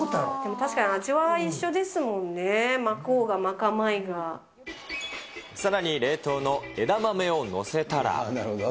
確かに味は一緒ですもんね、さらに冷凍の枝豆を載せたら。